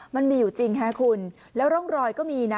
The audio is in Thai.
มันมีอยู่จริงค่ะคุณแล้วร่องรอยก็มีนะ